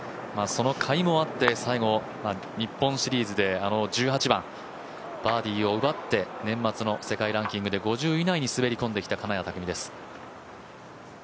そのかいもあって日本シリーズで１８番バーディーを奪って年末の世界ランキングで５０位以内に滑り込んできた金谷拓実です。